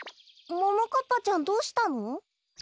ももかっぱちゃんどうしたの？